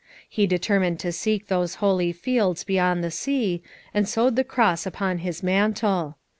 He determined to seek those holy fields beyond the sea, and sewed the Cross upon his mantle.